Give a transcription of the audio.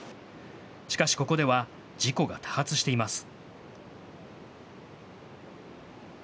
しかしここでは事故が多発しています。